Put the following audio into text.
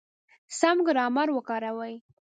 سم ګرامر وکاروئ!